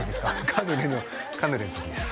カヌレのカヌレの時です